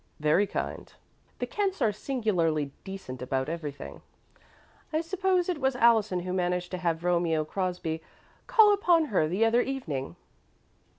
"Very kind. The Kents are singularly decent about everything. I suppose it was Allison who managed to have Romeo Crosby call upon her the other evening."